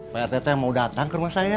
pak rtt mau datang ke rumah saya